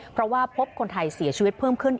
เพราะว่าพบคนไทยเสียชีวิตเพิ่มขึ้น